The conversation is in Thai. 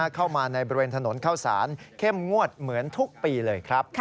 เข้ามาในบริเวณถนนเข้าสารเข้มงวดเหมือนทุกปีเลยครับ